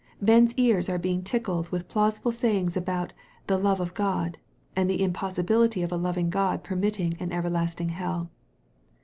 Men's ears are being tickled with plausible sayings about " the love of God," and the impossibility of a loving God per mitting an everlasting hell.